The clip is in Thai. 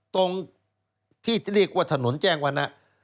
ตรงที่เรียกว่าถนนแจ้งวรรณะ